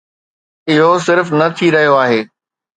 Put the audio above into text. اهو صرف نه ٿي رهيو آهي.